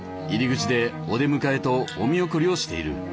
入り口でお出迎えとお見送りをしている。